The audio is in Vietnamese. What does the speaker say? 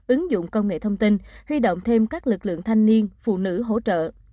ứng dụng công nghệ thông tin huy động thêm các lực lượng thanh niên phụ nữ hỗ trợ